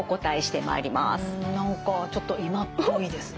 うん何かちょっと今っぽいですね。